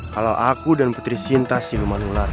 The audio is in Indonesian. kalau aku dan putri sinta si luman ular